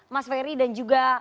mas ferry dan juga